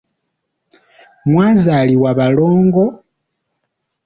Mwazaalibwa balongo!